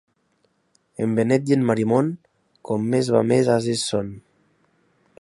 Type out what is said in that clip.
En Benet i en Marimon, com més va més ases són.